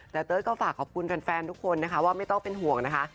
แต่เต้ยก็ฝากขอบคุณแฟนทุกคนนะคะว่าไม่ต้องเป็นห่วงนะคะ